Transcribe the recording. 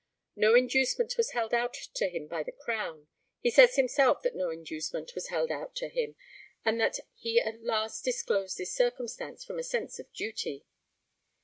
No inducement was held out to him by the Crown; he says himself that no inducement was held out to him, and that he at last disclosed this circumstance from a sense of duty.